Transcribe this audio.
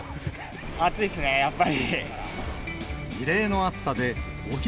暑いっすね、やっぱり。